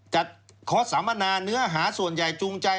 จัดขอสัมมนาเนื้อหาส่วนใหญ่จูงใจ